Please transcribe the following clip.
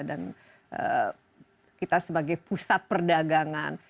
dan kita sebagai pusat perdagangan